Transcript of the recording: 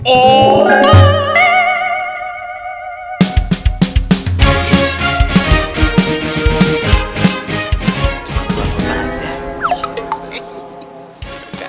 semua keluar kota aja